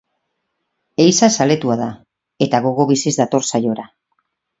Ehiza zaletua da, eta gogo biziz dator saiora.